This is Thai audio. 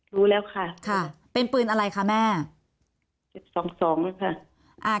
รู้แล้วค่ะค่ะเป็นปืนอะไรคะแม่เจ็บสองสองแล้วค่ะอ่า